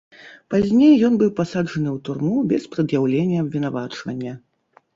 Пазней ён быў пасаджаны ў турму без прад'яўлення абвінавачвання.